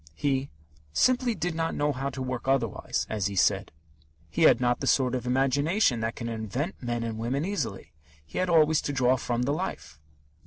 He "simply did not know how to work otherwise," as he said. He had not the sort of imagination that can invent men and women easily. He had always to draw from the life.